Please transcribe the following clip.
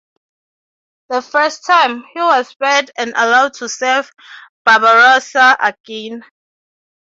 The first time, he was spared and allowed to serve Barbarossa again.